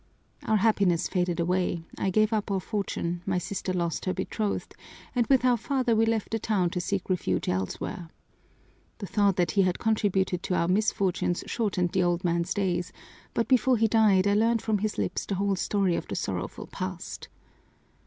Our happiness faded away, I gave up our fortune, my sister lost her betrothed, and with our father we left the town to seek refuge elsewhere. The thought that he had contributed to our misfortunes shortened the old man's days, but before he died I learned from his lips the whole story of the sorrowful past.